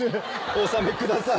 お納めください。